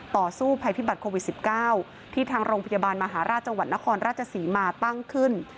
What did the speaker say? ต่อสู้ภัยพิบัติโควิด๑๙ที่ทางโรงพยาบาลมหาราชจังหวัดนครราชศรีมาตั้งขึ้น